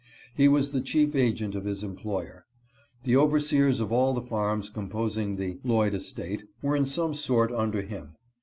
He was the chief agent of his employer. The overseers of all the farms composing the Lloyd estate were in some sort under him.